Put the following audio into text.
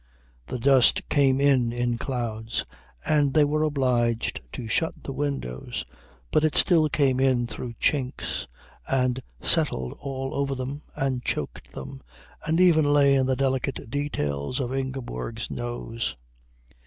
The dust came in in clouds, and they were obliged to shut the windows, but it still came in through chinks and settled all over them and choked them, and even lay in the delicate details of Ingeborg's nose.